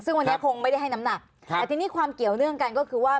ซึ่งวันนี้คงไม่ได้ให้น้ำหนักแต่ทีนี้ความเกี่ยวเนื่องกันก็คือว่า